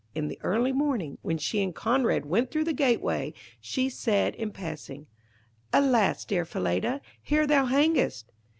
In the early morning, when she and Conrad went through the gateway, she said in passing 'Alas! dear Falada, there thou hangest.'